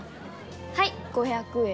はい５００円。